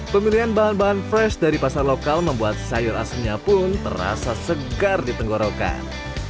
pemilihan bahan bahan fresh dari pasar lokal membuat sayur asinnya pun terasa segar di tenggorokan